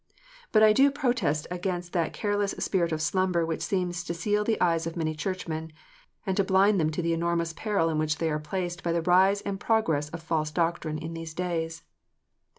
But I do protest against that careless spirit of slumber which seems to seal the eyes of many Churchmen, and to blind them to the enormous peril in which we are placed by the rise and progress of false doctrine in these days.